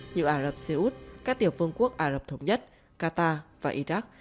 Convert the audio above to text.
như ả rập xê út các tiểu vương quốc ả rập thống nhất qatar và iraq